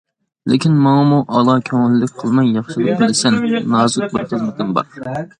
لېكىن ماڭىمۇ ئالا كۆڭۈللۈك قىلماي ياخشىلىق قىلىسەن، نازۇك بىر خىزمىتىم بار.